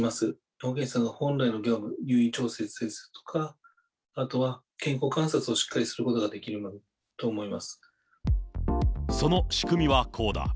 保健師が本来の業務、入院調整するとか、あとは健康観察をしっかりすることができるようになるとその仕組みはこうだ。